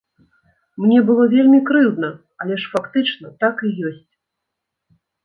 Мне было вельмі крыўдна, але ж фактычна так і ёсць!